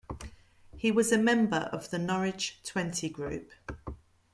He was a member of the Norwich Twenty Group.